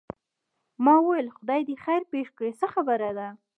ما وویل خدای دې خیر پېښ کړي څه خبره ده.